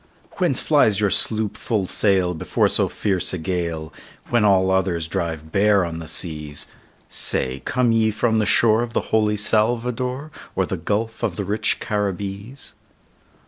"Whence flies your sloop full sail before so fierce a gale, When all others drive bare on the seas? Say, come ye from the shore of the holy Salvador, Or the gulf of the rich Caribbees?"